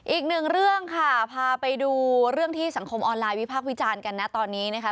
อีกหนึ่งเรื่องค่ะพาไปดูเรื่องที่สังคมออนไลน์วิพากษ์วิจารณ์กันนะตอนนี้นะคะ